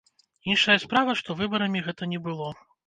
Іншая справа, што выбарамі гэта не было.